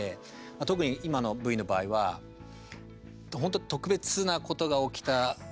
特に今のＶの場合は本当、特別なことが起きた。